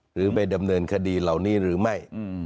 หรือไปดำเนินคดีเหล่านี้หรือไม่